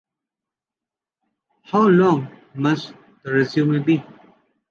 How long must the resume be?